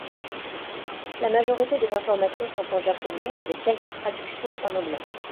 La majorité des informations sont en japonais, avec quelques traduction en anglais.